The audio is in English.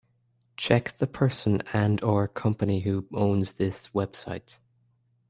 Check the person and/or company who owns this website.